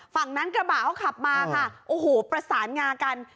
ฝั่งนั้นกระบะเขาขับมาค่ะโอ้โหประสานงากัน